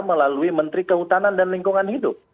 melalui menteri kehutanan dan lingkungan hidup